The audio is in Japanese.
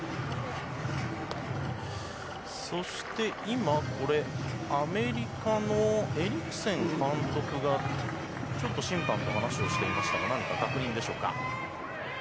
そしてアメリカのエリクセン監督がちょっと審判と話をしていましたが、何かの確認でしょうか。